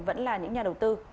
vẫn là những nhà đầu tư